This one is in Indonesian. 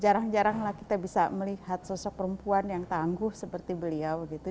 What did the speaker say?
jarang jarang lah kita bisa melihat sosok perempuan yang tangguh seperti beliau gitu